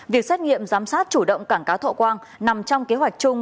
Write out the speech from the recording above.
việc xét nghiệm giám sát chủ động cảng cá thọ quang nằm trong kế hoạch chung